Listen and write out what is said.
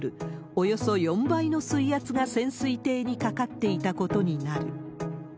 およそ４倍の水圧が潜水艇にかかっていたことになる。